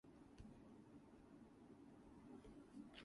Webcasting is also another tool for educational outreach.